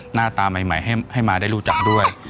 หน้าตาใหม่ให้มาได้รู้จักด้วย